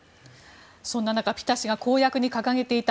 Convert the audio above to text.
そんな中ピタ氏が公約に掲げていた